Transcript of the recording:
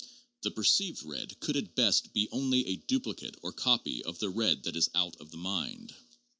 The perceived red could at best be only a duplicate or copy of the red that is ' out of the mind.